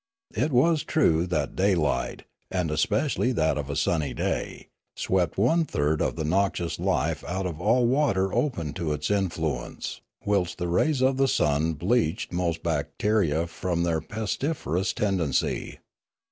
It was true that daylight, and especially that of a sunny day, swept one third of the noxious life out of all water open to its influence, whilst the rays of the sun bleached 278 Limanora most bacteria of their pestiferous tendency.